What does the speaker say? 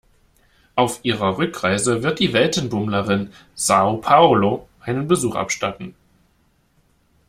Auf ihrer Rückreise wird die Weltenbummlerin Sao Paulo einen Besuch abstatten.